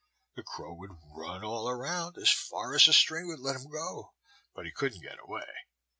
The crow would run all around, as far as the string would let him go; but he couldn't get away.